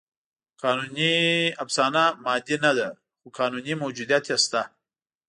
قانوني افسانه مادي نهده؛ خو قانوني موجودیت یې شته.